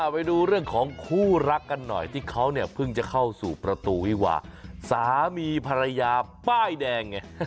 ไปดูเรื่องของคู่รักกันหน่อยที่เขาเนี่ยเพิ่งจะเข้าสู่ประตูวิวาสามีภรรยาป้ายแดงไง